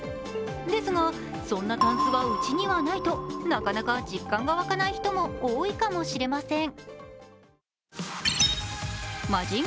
ですが、そんなたんすはうちにはないと、なかなか実感が湧かない人も多いかもしれません。